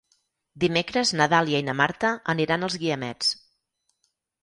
Dimecres na Dàlia i na Marta aniran als Guiamets.